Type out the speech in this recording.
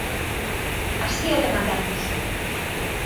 Así o demandamos.